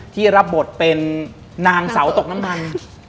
ที่รับบทเป็นนางเสาตกน้ำมัน